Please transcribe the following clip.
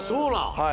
はい。